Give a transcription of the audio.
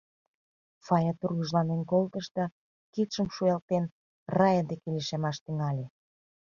— Фая тургыжланен колтыш да, кидшым шуялтен, Рая деке лишемаш тӱҥале.